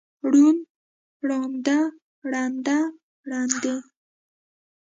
ړوند، ړانده، ړنده، ړندې.